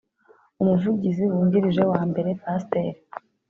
Umuvugizi wungirije wambere pasteur